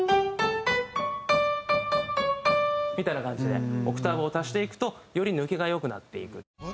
みたいな感じでオクターブを足していくとより抜けが良くなっていく。